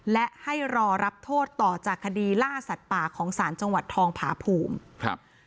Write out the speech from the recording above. และให้รอรับโทษต่อจากคดีล่าสัตว์ป่าของศาลจังหวัดทองผาภูมิครับ